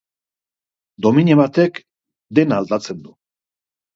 Domina batek dena aldatzen du.